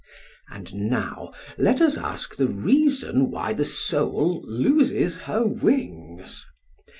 And now let us ask the reason why the soul loses her wings!